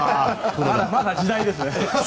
まだ時代ですね